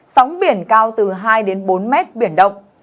sóng biển cao từ hai bốn mét biển động